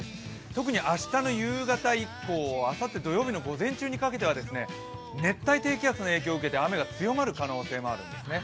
特に明日の夕方以降あさっての土曜日の午前中にかけては熱帯低気圧の影響を受けて雨が強まる可能性があるんですね。